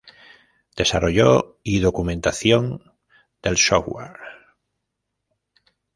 Desarrollo y documentación del software.